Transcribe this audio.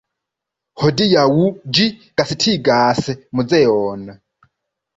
Hodiaŭ ĝi gastigas muzeon.